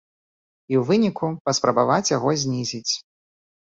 І ў выніку паспрабаваць яго знізіць.